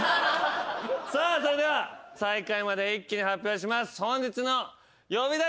さあそれでは最下位まで一気に発表します。